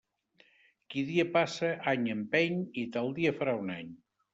Qui dia passa, any empeny i tal dia farà un any.